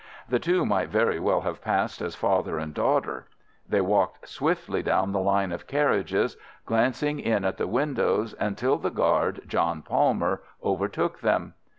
The two might very well have passed as father and daughter. They walked swiftly down the line of carriages, glancing in at the windows, until the guard, John Palmer, overtook them.